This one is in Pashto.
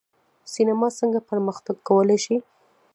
سینما څنګه پرمختګ کولی شي؟